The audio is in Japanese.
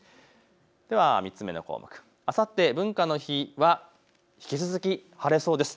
３つ目の項目、あさって文化の日、引き続き晴れそうです。